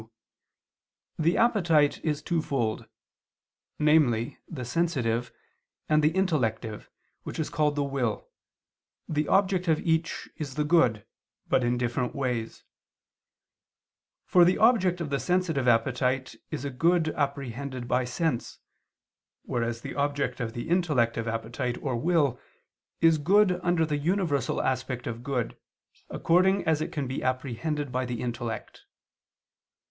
2), the appetite is twofold, namely the sensitive, and the intellective which is called the will, the object of each is the good, but in different ways: for the object of the sensitive appetite is a good apprehended by sense, whereas the object of the intellective appetite or will is good under the universal aspect of good, according as it can be apprehended by the intellect.